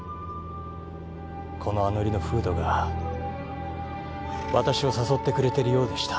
この安乗の風土が私を誘ってくれてるようでした。